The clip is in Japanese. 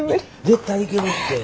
絶対いけるって。